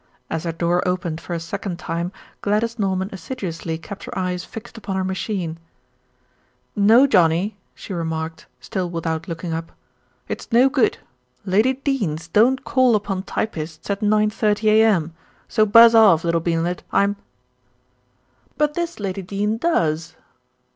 As her door opened for a second time, Gladys Norman assiduously kept her eyes fixed upon her machine. "No, Johnnie," she remarked, still without looking up. "It's no good. Lady Denes don't call upon typists at 9.30 a.m., so buzz off, little beanlet. I'm " "But this Lady Dene does."